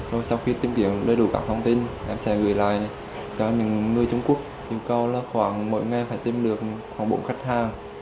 rồi sau khi tìm kiếm đầy đủ các thông tin em sẽ gửi lại cho những người trung quốc yêu cầu là khoảng mỗi ngày phải tìm được khoảng bốn khách hàng